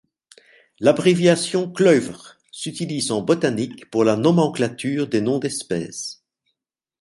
L’abréviation Kluyver s'utilise en botanique pour la nomenclature des noms d'espèces.